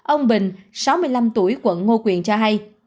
ông bình sáu mươi năm tuổi quận ngô quyền cho hay